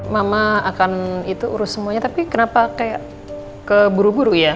mama akan itu urus semuanya tapi kenapa kayak keburu buru ya